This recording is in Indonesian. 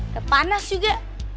udah panas juga